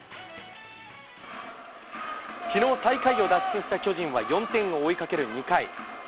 きのう、最下位を脱出した巨人は４点を追いかける２回。